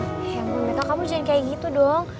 ya gue minta kamu jangan kayak gitu dong